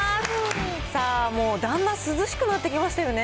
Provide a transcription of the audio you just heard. さあ、もうだんだん涼しくなってきましたよね。